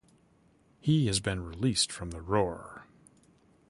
He has been released from the Roar.